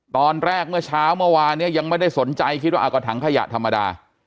ตอนแรกเมื่อเช้าเมื่อวานเนี่ยยังไม่ได้สนใจคิดว่าก็ถังขยะธรรมดา